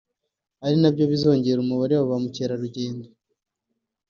ari nabyo bizongera umubare wa ba mukerarugendo